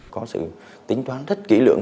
có sự tính toán rất kỹ lưỡng